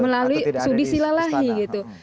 melalui sudi silalahi gitu